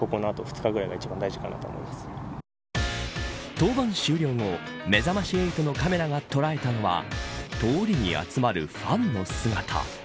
登板終了後、めざまし８のカメラが捉えたのは通りに集まるファンの姿。